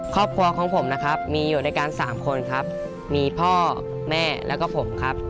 ครอบครัวของผมนะครับมีอยู่ด้วยกันสามคนครับมีพ่อแม่แล้วก็ผมครับ